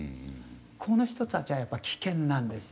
この人たちはやっぱり危険なんですよ。